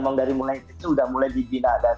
udah mulai dibina